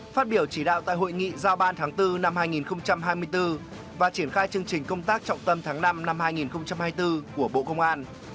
phát biểu chỉ đạo tại hội nghị giao ban tháng bốn năm hai nghìn hai mươi bốn và triển khai chương trình công tác trọng tâm tháng năm năm hai nghìn hai mươi bốn của bộ công an